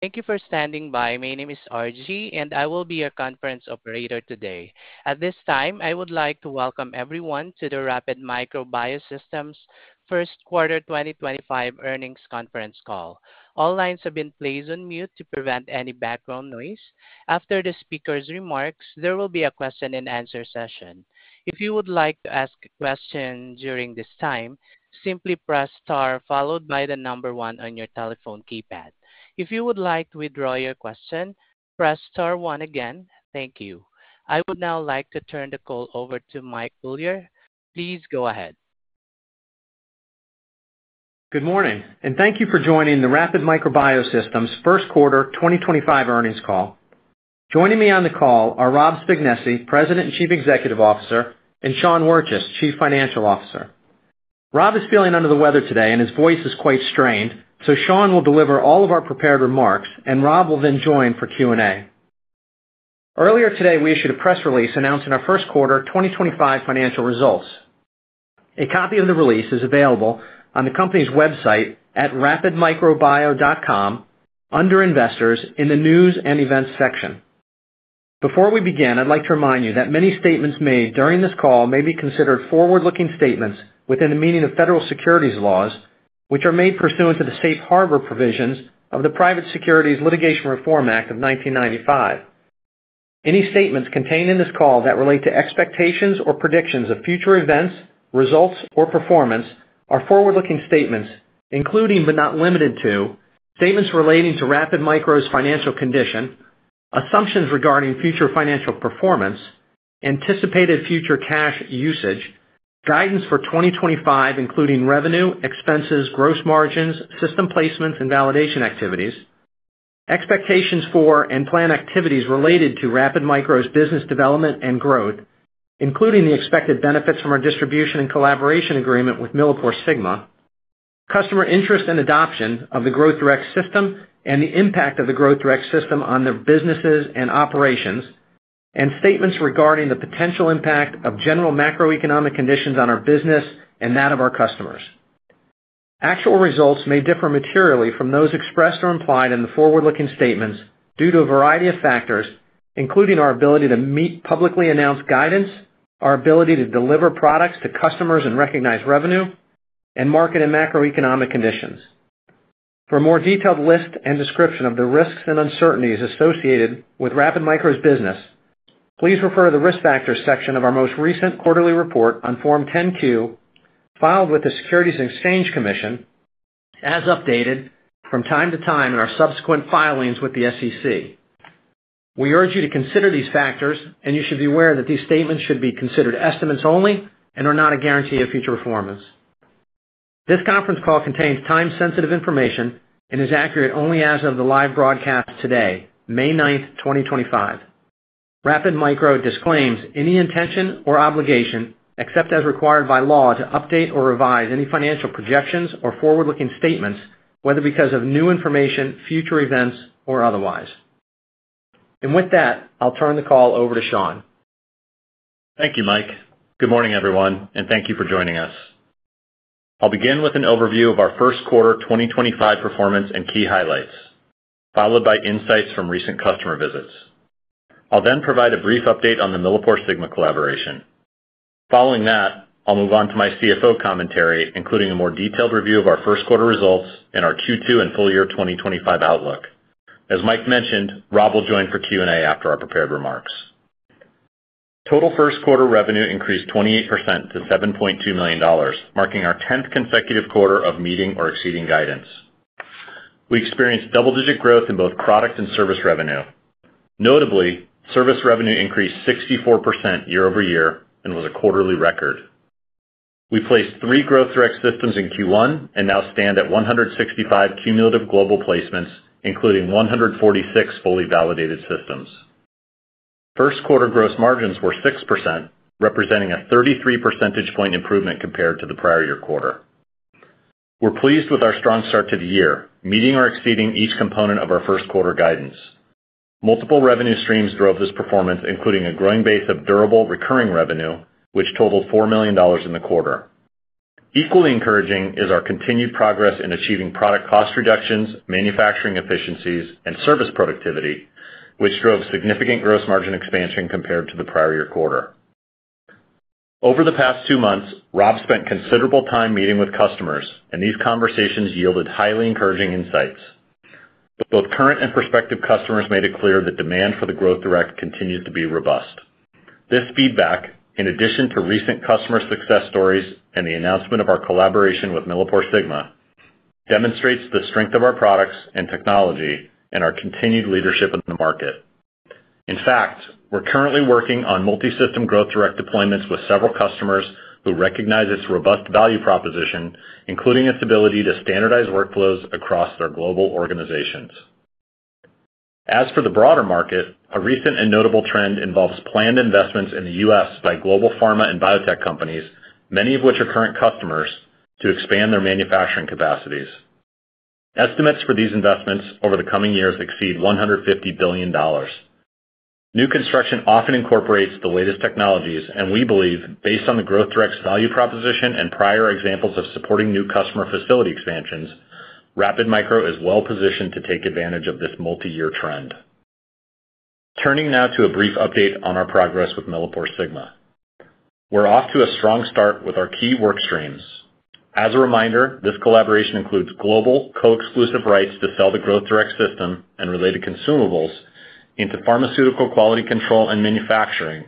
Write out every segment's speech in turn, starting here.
Thank you for standing by. My name is RG, and I will be your conference operator today. At this time, I would like to welcome everyone to the Rapid Micro Biosystems first quarter 2025 earnings conference call. All lines have been placed on mute to prevent any background noise. After the speaker's remarks, there will be a question-and-answer session. If you would like to ask a question during this time, simply press star followed by the number one on your telephone keypad. If you would like to withdraw your question, press star one again. Thank you. I would now like to turn the call over to Mike Beaulieu. Please go ahead. Good morning, and thank you for joining the Rapid Micro Biosystems first quarter 2025 earnings call. Joining me on the call are Rob Spignesi, President and Chief Executive Officer, and Sean Wirtjes, Chief Financial Officer. Rob is feeling under the weather today, and his voice is quite strained, so Sean will deliver all of our prepared remarks, and Rob will then join for Q&A. Earlier today, we issued a press release announcing our first quarter 2025 financial results. A copy of the release is available on the company's website at rapidmicrobio.com under Investors in the News and Events section. Before we begin, I'd like to remind you that many statements made during this call may be considered forward-looking statements within the meaning of federal securities laws, which are made pursuant to the safe harbor provisions of the Private Securities Litigation Reform Act of 1995. Any statements contained in this call that relate to expectations or predictions of future events, results, or performance are forward-looking statements, including but not limited to statements relating to Rapid Micro Biosystems' financial condition, assumptions regarding future financial performance, anticipated future cash usage, guidance for 2025 including revenue, expenses, gross margins, system placements, and validation activities, expectations for and planned activities related to Rapid Micro Biosystems' business development and growth, including the expected benefits from our distribution and collaboration agreement with MilliporeSigma, customer interest and adoption of the Growth Direct system and the impact of the Growth Direct system on their businesses and operations, and statements regarding the potential impact of general macroeconomic conditions on our business and that of our customers. Actual results may differ materially from those expressed or implied in the forward-looking statements due to a variety of factors, including our ability to meet publicly announced guidance, our ability to deliver products to customers and recognize revenue, and market and macroeconomic conditions. For a more detailed list and description of the risks and uncertainties associated with Rapid Micro Biosystems' business, please refer to the risk factors section of our most recent quarterly report on Form 10-Q filed with the Securities and Exchange Commission as updated from time to time in our subsequent filings with the SEC. We urge you to consider these factors, and you should be aware that these statements should be considered estimates only and are not a guarantee of future performance. This conference call contains time-sensitive information and is accurate only as of the live broadcast today, May 9th, 2025. Rapid Micro Biosystems disclaims any intention or obligation, except as required by law, to update or revise any financial projections or forward-looking statements, whether because of new information, future events, or otherwise. With that, I'll turn the call over to Sean. Thank you, Mike. Good morning, everyone, and thank you for joining us. I'll begin with an overview of our first quarter 2025 performance and key highlights, followed by insights from recent customer visits. I'll then provide a brief update on the MilliporeSigma collaboration. Following that, I'll move on to my CFO commentary, including a more detailed review of our first quarter results and our Q2 and full year 2025 outlook. As Mike mentioned, Rob will join for Q&A after our prepared remarks. Total first quarter revenue increased 28% to $7.2 million, marking our 10th consecutive quarter of meeting or exceeding guidance. We experienced double-digit growth in both product and service revenue. Notably, service revenue increased 64% year-over-year and was a quarterly record. We placed three Growth Direct systems in Q1 and now stand at 165 cumulative global placements, including 146 fully validated systems. First quarter gross margins were 6%, representing a 33 percentage point improvement compared to the prior year quarter. We're pleased with our strong start to the year, meeting or exceeding each component of our first quarter guidance. Multiple revenue streams drove this performance, including a growing base of durable recurring revenue, which totaled $4 million in the quarter. Equally encouraging is our continued progress in achieving product cost reductions, manufacturing efficiencies, and service productivity, which drove significant gross margin expansion compared to the prior year quarter. Over the past two months, Rob spent considerable time meeting with customers, and these conversations yielded highly encouraging insights. Both current and prospective customers made it clear that demand for the Growth Direct continues to be robust. This feedback, in addition to recent customer success stories and the announcement of our collaboration with MilliporeSigma, demonstrates the strength of our products and technology and our continued leadership in the market. In fact, we're currently working on multi-system Growth Direct deployments with several customers who recognize its robust value proposition, including its ability to standardize workflows across their global organizations. As for the broader market, a recent and notable trend involves planned investments in the U.S. by global pharma and biotech companies, many of which are current customers, to expand their manufacturing capacities. Estimates for these investments over the coming years exceed $150 billion. New construction often incorporates the latest technologies, and we believe based on the Growth Direct's value proposition and prior examples of supporting new customer facility expansions, Rapid Micro Biosystems is well positioned to take advantage of this multi-year trend. Turning now to a brief update on our progress with MilliporeSigma. We're off to a strong start with our key work streams. As a reminder, this collaboration includes global co-exclusive rights to sell the Growth Direct system and related consumables into pharmaceutical quality control and manufacturing,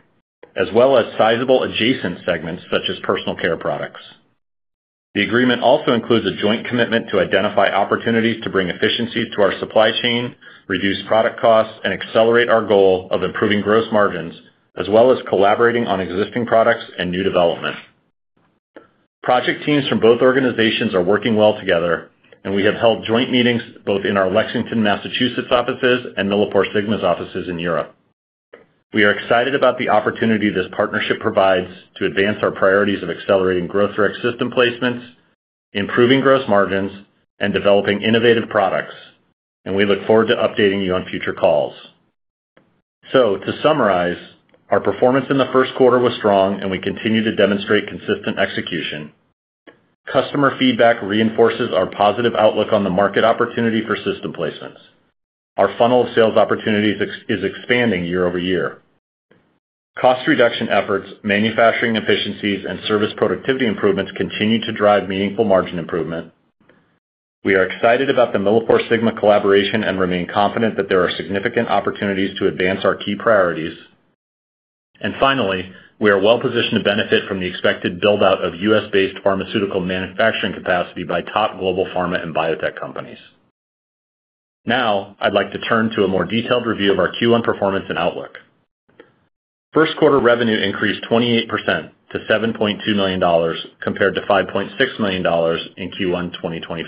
as well as sizable adjacent segments such as personal care products. The agreement also includes a joint commitment to identify opportunities to bring efficiencies to our supply chain, reduce product costs, and accelerate our goal of improving gross margins, as well as collaborating on existing products and new development. Project teams from both organizations are working well together, and we have held joint meetings both in our Lexington, Massachusetts offices and MilliporeSigma's offices in Europe. We are excited about the opportunity this partnership provides to advance our priorities of accelerating Growth Direct system placements, improving gross margins, and developing innovative products, and we look forward to updating you on future calls. To summarize, our performance in the first quarter was strong, and we continue to demonstrate consistent execution. Customer feedback reinforces our positive outlook on the market opportunity for system placements. Our funnel of sales opportunities is expanding year-over-year. Cost reduction efforts, manufacturing efficiencies, and service productivity improvements continue to drive meaningful margin improvement. We are excited about the MilliporeSigma collaboration and remain confident that there are significant opportunities to advance our key priorities. Finally, we are well positioned to benefit from the expected build-out of U.S.-based pharmaceutical manufacturing capacity by top global pharma and biotech companies. Now, I'd like to turn to a more detailed review of our Q1 performance and outlook. First quarter revenue increased 28% to $7.2 million compared to $5.6 million in Q1 2023.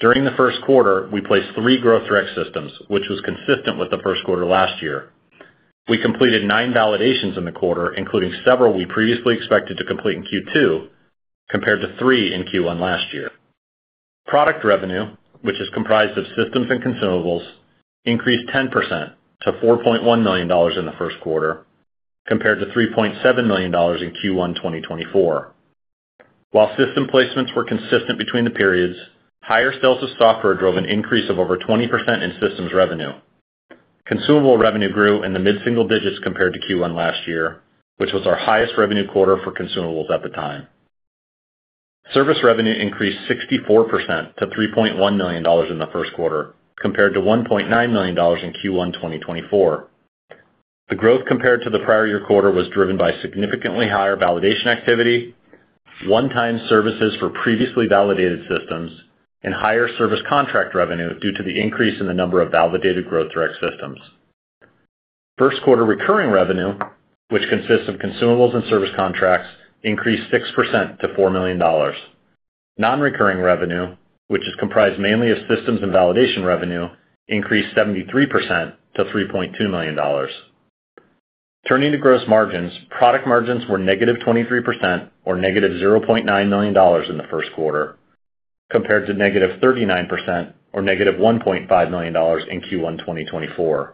During the first quarter, we placed three Growth Direct systems, which was consistent with the first quarter last year. We completed nine validations in the quarter, including several we previously expected to complete in Q2, compared to three in Q1 last year. Product revenue, which is comprised of systems and consumables, increased 10% to $4.1 million in the first quarter, compared to $3.7 million in Q1 2023. While system placements were consistent between the periods, higher sales of software drove an increase of over 20% in systems revenue. Consumable revenue grew in the mid-single digits compared to Q1 last year, which was our highest revenue quarter for consumables at the time. Service revenue increased 64% to $3.1 million in the first quarter, compared to $1.9 million in Q1 2023. The growth compared to the prior year quarter was driven by significantly higher validation activity, one-time services for previously validated systems, and higher service contract revenue due to the increase in the number of validated Growth Direct systems. First quarter recurring revenue, which consists of consumables and service contracts, increased 6% to $4 million. Non-recurring revenue, which is comprised mainly of systems and validation revenue, increased 73% to $3.2 million. Turning to gross margins, product margins were negative 23% or negative $0.9 million in the first quarter, compared to negative 39% or negative $1.5 million in Q1 2023.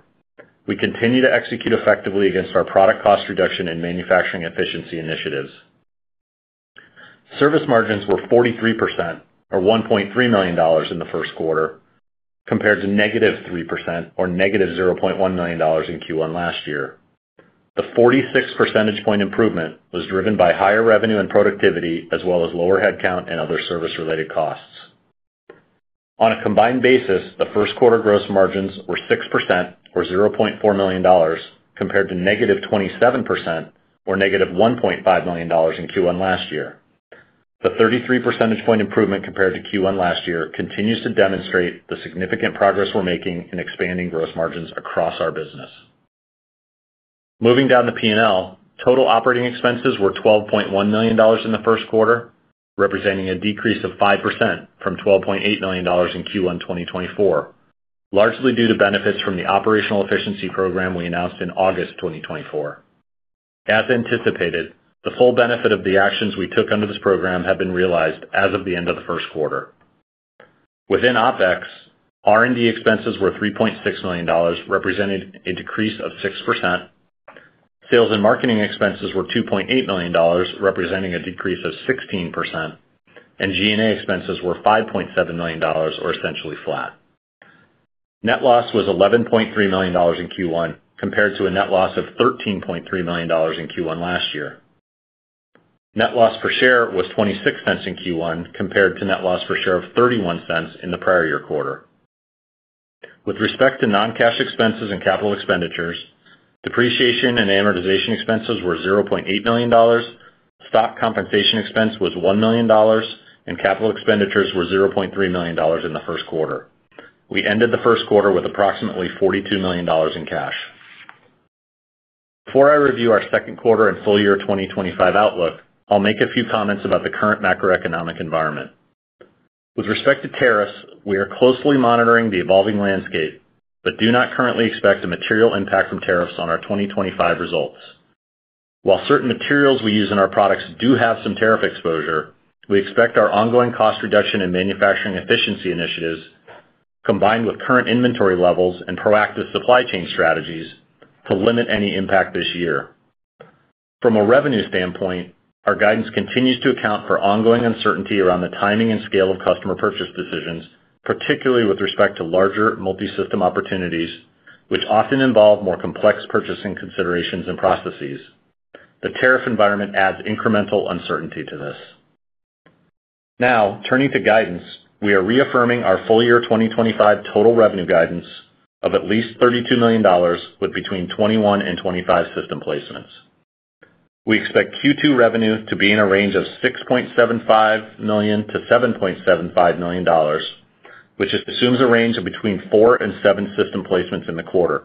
We continue to execute effectively against our product cost reduction and manufacturing efficiency initiatives. Service margins were 43% or $1.3 million in the first quarter, compared to negative 3% or negative $0.1 million in Q1 last year. The 46 percentage point improvement was driven by higher revenue and productivity, as well as lower headcount and other service-related costs. On a combined basis, the first quarter gross margins were 6% or $0.4 million, compared to negative 27% or negative $1.5 million in Q1 last year. The 33 percentage point improvement compared to Q1 last year continues to demonstrate the significant progress we're making in expanding gross margins across our business. Moving down the P&L, total operating expenses were $12.1 million in the first quarter, representing a decrease of 5% from $12.8 million in Q1 2024, largely due to benefits from the operational efficiency program we announced in August 2024. As anticipated, the full benefit of the actions we took under this program have been realized as of the end of the first quarter. Within OpEx, R&D expenses were $3.6 million, representing a decrease of 6%. Sales and marketing expenses were $2.8 million, representing a decrease of 16%, and G&A expenses were $5.7 million or essentially flat. Net loss was $11.3 million in Q1, compared to a net loss of $13.3 million in Q1 last year. Net loss per share was $0.26 in Q1, compared to net loss per share of $0.31 in the prior year quarter. With respect to non-cash expenses and capital expenditures, depreciation and amortization expenses were $0.8 million, stock compensation expense was $1 million, and capital expenditures were $0.3 million in the first quarter. We ended the first quarter with approximately $42 million in cash. Before I review our second quarter and full year 2025 outlook, I'll make a few comments about the current macroeconomic environment. With respect to tariffs, we are closely monitoring the evolving landscape, but do not currently expect a material impact from tariffs on our 2025 results. While certain materials we use in our products do have some tariff exposure, we expect our ongoing cost reduction and manufacturing efficiency initiatives, combined with current inventory levels and proactive supply chain strategies, to limit any impact this year. From a revenue standpoint, our guidance continues to account for ongoing uncertainty around the timing and scale of customer purchase decisions, particularly with respect to larger multi-system opportunities, which often involve more complex purchasing considerations and processes. The tariff environment adds incremental uncertainty to this. Now, turning to guidance, we are reaffirming our full year 2025 total revenue guidance of at least $32 million with between 21 and 25 system placements. We expect Q2 revenue to be in a range of $6.75 million-$7.75 million, which assumes a range of between four and seven system placements in the quarter.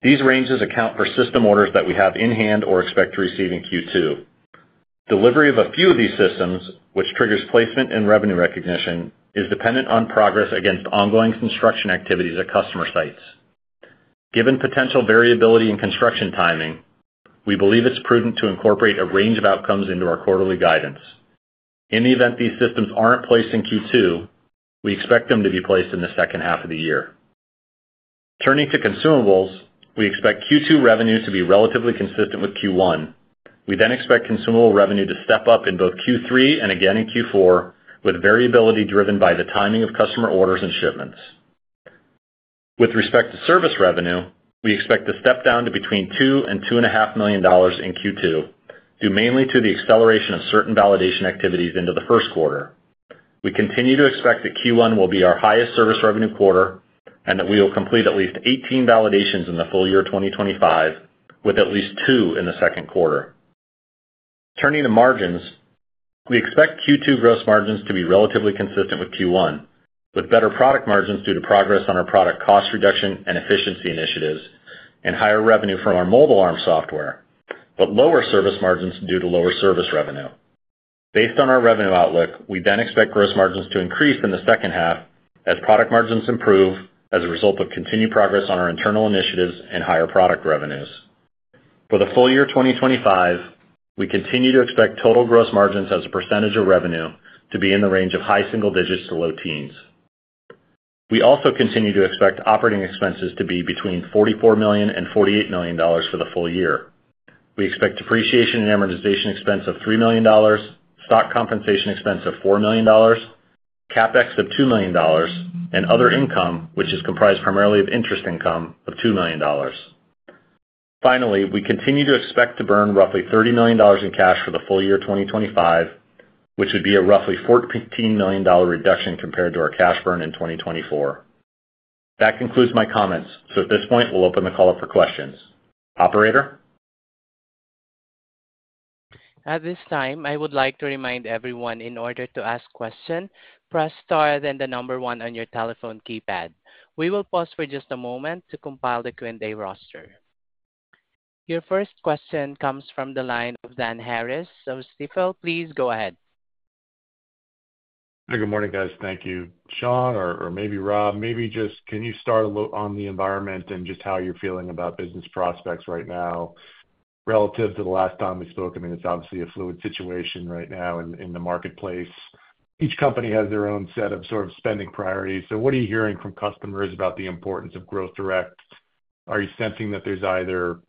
These ranges account for system orders that we have in hand or expect to receive in Q2. Delivery of a few of these systems, which triggers placement and revenue recognition, is dependent on progress against ongoing construction activities at customer sites. Given potential variability in construction timing, we believe it's prudent to incorporate a range of outcomes into our quarterly guidance. In the event these systems aren't placed in Q2, we expect them to be placed in the second half of the year. Turning to consumables, we expect Q2 revenue to be relatively consistent with Q1. We then expect consumable revenue to step up in both Q3 and again in Q4, with variability driven by the timing of customer orders and shipments. With respect to service revenue, we expect to step down to between $2-$2.5 million in Q2, due mainly to the acceleration of certain validation activities into the first quarter. We continue to expect that Q1 will be our highest service revenue quarter and that we will complete at least 18 validations in the full year 2025, with at least two in the second quarter. Turning to margins, we expect Q2 gross margins to be relatively consistent with Q1, with better product margins due to progress on our product cost reduction and efficiency initiatives and higher revenue from our mobile arm software, but lower service margins due to lower service revenue. Based on our revenue outlook, we then expect gross margins to increase in the second half as product margins improve as a result of continued progress on our internal initiatives and higher product revenues. For the full year 2025, we continue to expect total gross margins as a percentage of revenue to be in the range of high single digits to low teens. We also continue to expect operating expenses to be between $44 million and $48 million for the full year. We expect depreciation and amortization expense of $3 million, stock compensation expense of $4 million, CapEx of $2 million, and other income, which is comprised primarily of interest income, of $2 million. Finally, we continue to expect to burn roughly $30 million in cash for the full year 2025, which would be a roughly $14 million reduction compared to our cash burn in 2024. That concludes my comments, so at this point, we'll open the call up for questions. Operator? At this time, I would like to remind everyone in order to ask questions, press star then the number one on your telephone keypad. We will pause for just a moment to compile the Q&A roster. Your first question comes from the line of Dan Arias. So, Stifel, please go ahead. Hi, good morning, guys. Thank you. Sean, or maybe Rob, maybe just can you start a little on the environment and just how you're feeling about business prospects right now relative to the last time we spoke? I mean, it's obviously a fluid situation right now in the marketplace. Each company has their own set of sort of spending priorities. What are you hearing from customers about the importance of Growth Direct? Are you sensing that there's either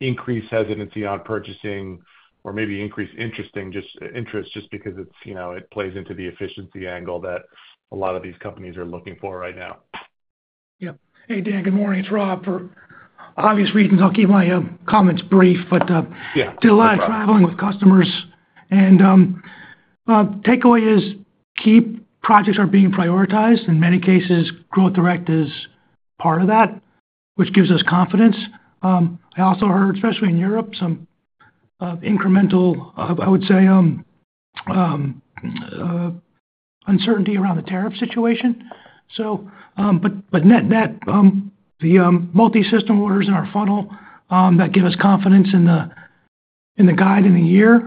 increased hesitancy on purchasing or maybe increased interest just because it plays into the efficiency angle that a lot of these companies are looking for right now? Yeah. Hey, Dan, good morning. It's Rob. For obvious reasons, I'll keep my comments brief, but still a lot of traveling with customers. Takeaway is key projects are being prioritized. In many cases, Growth Direct is part of that, which gives us confidence. I also heard, especially in Europe, some incremental, I would say, uncertainty around the tariff situation. Net net, the multi-system orders in our funnel that give us confidence in the guide in the year,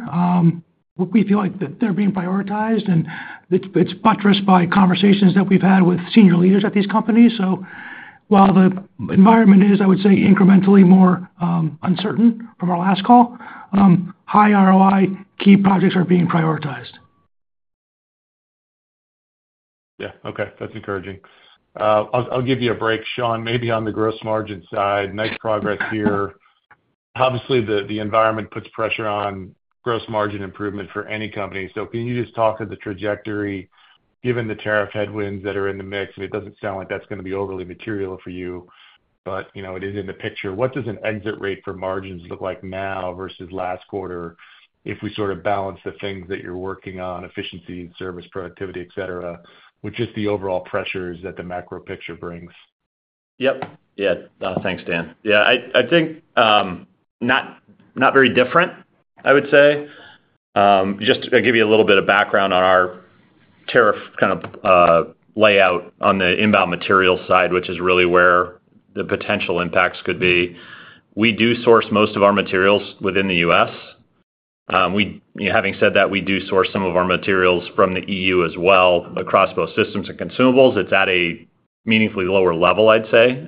we feel like they're being prioritized, and it's buttressed by conversations that we've had with senior leaders at these companies. While the environment is, I would say, incrementally more uncertain from our last call, high ROI key projects are being prioritized. Yeah. Okay. That's encouraging. I'll give you a break, Sean, maybe on the gross margin side. Nice progress here. Obviously, the environment puts pressure on gross margin improvement for any company. Can you just talk to the trajectory, given the tariff headwinds that are in the mix? I mean, it doesn't sound like that's going to be overly material for you, but it is in the picture. What does an exit rate for margins look like now versus last quarter if we sort of balance the things that you're working on, efficiency, service, productivity, etc., with just the overall pressures that the macro picture brings? Yep. Yeah. Thanks, Dan. Yeah. I think not very different, I would say. Just to give you a little bit of background on our tariff kind of layout on the inbound materials side, which is really where the potential impacts could be. We do source most of our materials within the U.S. Having said that, we do source some of our materials from the EU as well across both systems and consumables. It's at a meaningfully lower level, I'd say.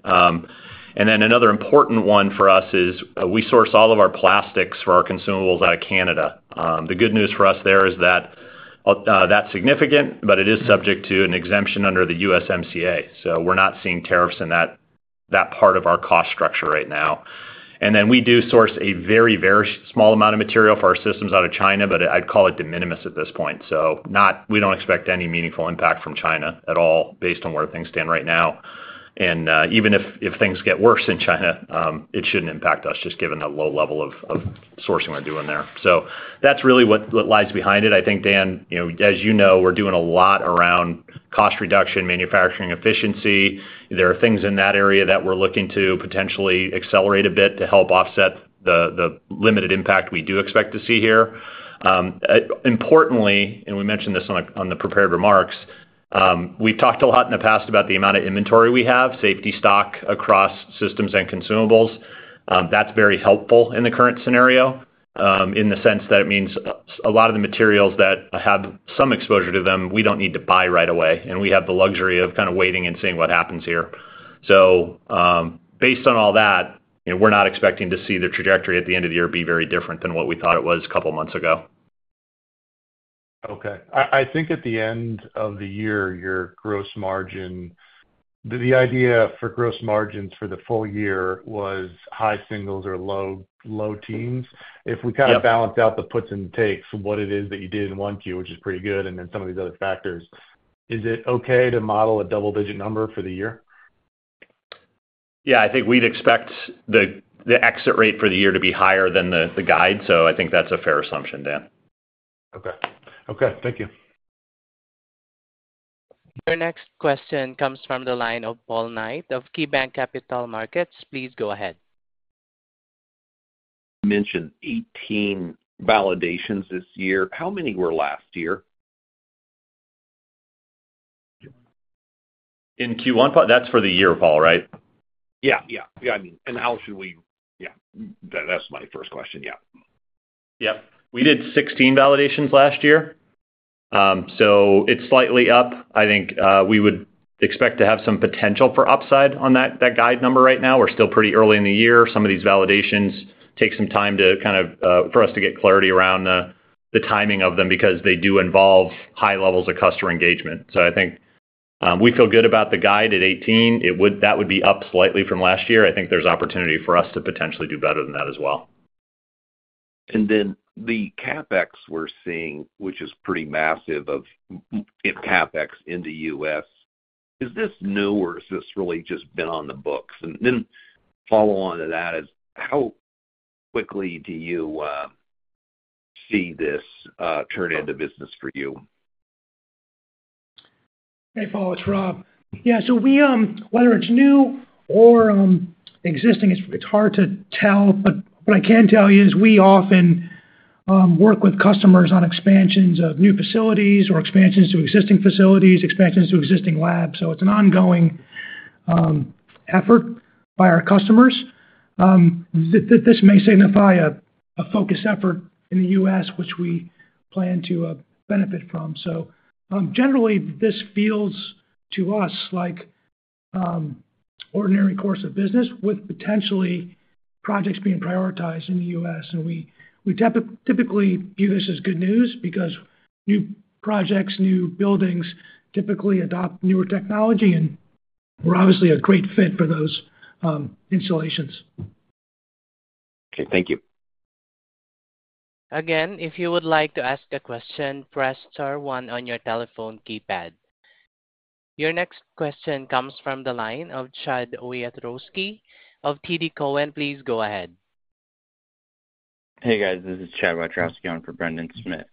Another important one for us is we source all of our plastics for our consumables out of Canada. The good news for us there is that that's significant, but it is subject to an exemption under the USMCA. We are not seeing tariffs in that part of our cost structure right now. We do source a very, very small amount of material for our systems out of China, but I'd call it de minimis at this point. We do not expect any meaningful impact from China at all based on where things stand right now. Even if things get worse in China, it should not impact us, just given the low level of sourcing we are doing there. That is really what lies behind it. I think, Dan, as you know, we are doing a lot around cost reduction, manufacturing efficiency. There are things in that area that we are looking to potentially accelerate a bit to help offset the limited impact we do expect to see here. Importantly, and we mentioned this on the prepared remarks, we've talked a lot in the past about the amount of inventory we have, safety stock across systems and consumables. That's very helpful in the current scenario in the sense that it means a lot of the materials that have some exposure to them, we don't need to buy right away, and we have the luxury of kind of waiting and seeing what happens here. Based on all that, we're not expecting to see the trajectory at the end of the year be very different than what we thought it was a couple of months ago. Okay. I think at the end of the year, your gross margin, the idea for gross margins for the full year was high singles or low teens. If we kind of balanced out the puts and takes, what it is that you did in one Q, which is pretty good, and then some of these other factors, is it okay to model a double-digit number for the year? Yeah. I think we'd expect the exit rate for the year to be higher than the guide. So I think that's a fair assumption, Dan. Okay. Okay. Thank you. Your next question comes from the line of Paul Knight of KeyBanc Capital Markets. Please go ahead. Mentioned 18 validations this year. How many were last year? In Q1? That's for the year, Paul, right? Yeah. Yeah. Yeah. I mean, and how should we—yeah. That's my first question. Yeah. Yep. We did 16 validations last year. So it's slightly up. I think we would expect to have some potential for upside on that guide number right now. We're still pretty early in the year. Some of these validations take some time for us to get clarity around the timing of them because they do involve high levels of customer engagement. I think we feel good about the guide at 18. That would be up slightly from last year. I think there's opportunity for us to potentially do better than that as well. The CapEx we're seeing, which is pretty massive CapEx in the U.S., is this new or has this really just been on the books? The follow-on to that is how quickly do you see this turn into business for you? Hey, Paul, it's Rob. Yeah. Whether it is new or existing, it is hard to tell, but what I can tell you is we often work with customers on expansions of new facilities or expansions to existing facilities, expansions to existing labs. It is an ongoing effort by our customers. This may signify a focus effort in the U.S., which we plan to benefit from. Generally, this feels to us like ordinary course of business with potentially projects being prioritized in the U.S. We typically view this as good news because new projects, new buildings typically adopt newer technology, and we are obviously a great fit for those installations. Okay. Thank you. Again, if you would like to ask a question, press star one on your telephone keypad. Your next question comes from the line of Chad Wiatrowski of TD Cowen. Please go ahead. Hey, guys. This is Chad Wiatrowski on for Brendan Smith.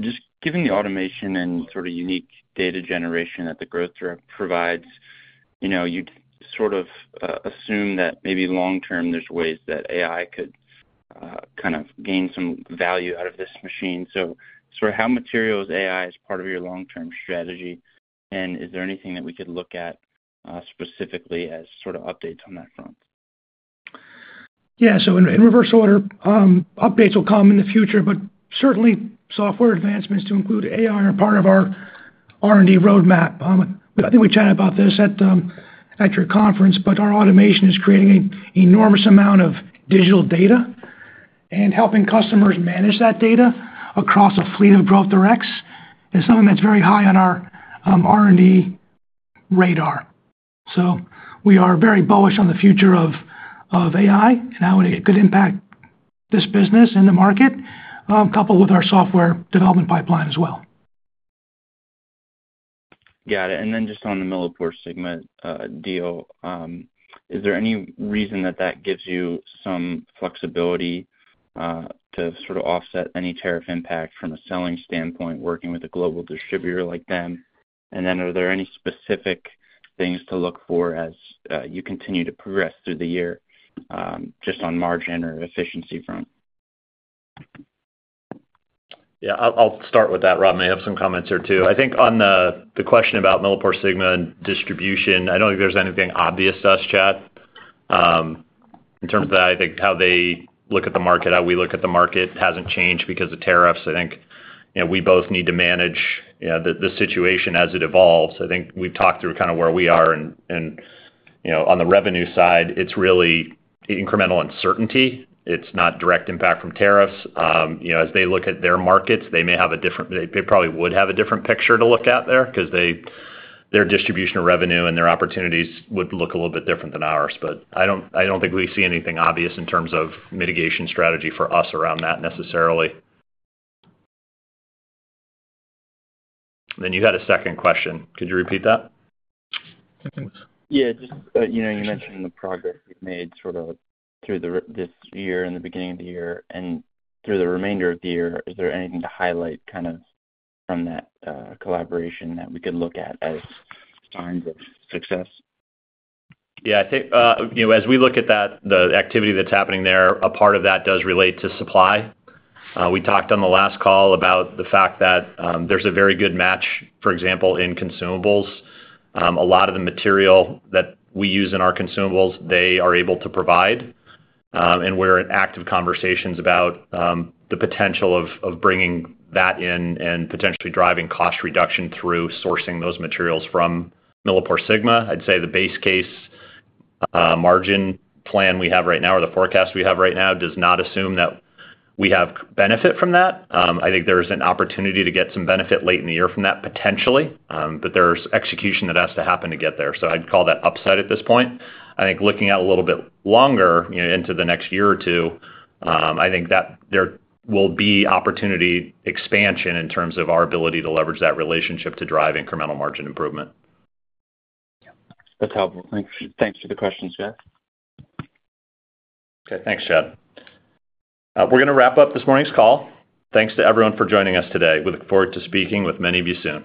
Just given the automation and sort of unique data generation that the Growth Direct provides, you'd sort of assume that maybe long-term there's ways that AI could kind of gain some value out of this machine. How materialize AI as part of your long-term strategy? Is there anything that we could look at specifically as updates on that front? Yeah. In reverse order, updates will come in the future, but certainly software advancements to include AI are part of our R&D roadmap. I think we chatted about this at your conference, but our automation is creating an enormous amount of digital data and helping customers manage that data across a fleet of Growth Directs. It's something that's very high on our R&D radar. We are very bullish on the future of AI and how it could impact this business and the market, coupled with our software development pipeline as well. Got it. And then just on the MilliporeSigma deal, is there any reason that that gives you some flexibility to sort of offset any tariff impact from a selling standpoint working with a global distributor like them? And then are there any specific things to look for as you continue to progress through the year just on margin or efficiency front? Yeah. I'll start with that. Rob may have some comments here too. I think on the question about MilliporeSigma and distribution, I do not think there's anything obvious to us, Chad. In terms of that, I think how they look at the market, how we look at the market has not changed because of tariffs. I think we both need to manage the situation as it evolves. I think we've talked through kind of where we are. On the revenue side, it's really incremental uncertainty. It's not direct impact from tariffs. As they look at their markets, they may have a different—they probably would have a different picture to look at there because their distribution of revenue and their opportunities would look a little bit different than ours. I don't think we see anything obvious in terms of mitigation strategy for us around that necessarily. You had a second question. Could you repeat that? Yeah. Just you mentioned the progress we've made sort of through this year and the beginning of the year and through the remainder of the year. Is there anything to highlight kind of from that collaboration that we could look at as signs of success? Yeah. I think as we look at that, the activity that's happening there, a part of that does relate to supply. We talked on the last call about the fact that there's a very good match, for example, in consumables. A lot of the material that we use in our consumables, they are able to provide. And we're in active conversations about the potential of bringing that in and potentially driving cost reduction through sourcing those materials from MilliporeSigma. I'd say the base case margin plan we have right now or the forecast we have right now does not assume that we have benefit from that. I think there's an opportunity to get some benefit late in the year from that potentially, but there's execution that has to happen to get there. I'd call that upside at this point. I think looking out a little bit longer into the next year or two, I think there will be opportunity expansion in terms of our ability to leverage that relationship to drive incremental margin improvement. That's helpful. Thanks for the questions, Chad. Okay. Thanks, Chad. We're going to wrap up this morning's call. Thanks to everyone for joining us today. We look forward to speaking with many of you soon.